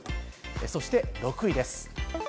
そして６位です。